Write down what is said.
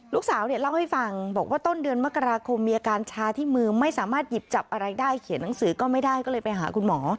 ลูกสาวเนี่ยเล่าให้ฟังบอกว่าต้นเดือนมกราคมมีอาการชาที่มือไม่สามารถหยิบจับอะไรได้เขียนหนังสือก็ไม่ได้ก็เลยไปหาคุณหมอ